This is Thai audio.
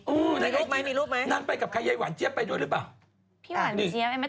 อู้นั่งไปกับใครยายหวานเจี๊ยบไปด้วยหรือเปล่ามีรูปไหม